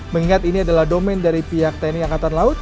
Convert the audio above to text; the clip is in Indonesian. mengingat ini adalah domen dari pihak tni angkatan laut